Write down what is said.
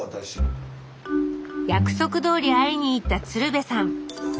約束どおり会いに行った鶴瓶さん。